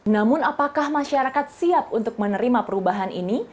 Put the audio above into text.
namun apakah masyarakat siap untuk menerima perubahan ini